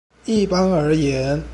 一般而言